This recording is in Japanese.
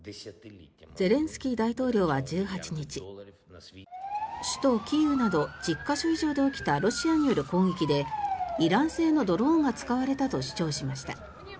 ゼレンスキー大統領は１８日首都キーウなど１０か所以上で起きたロシアによる攻撃でイラン製のドローンが使われたと主張しました。